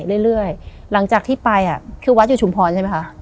เรื่อยหลังจากที่ไปคือวัดอยู่ชุมพรใช่ไหมคะ